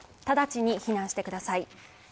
直ちに避難してください。